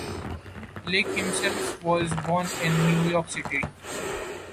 Lake himself was born in New York City.